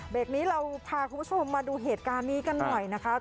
กนี้เราพาคุณผู้ชมมาดูเหตุการณ์นี้กันหน่อยนะคะ